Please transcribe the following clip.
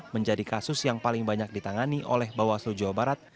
menjadi kasus yang paling banyak ditangani oleh bawaslu jawa barat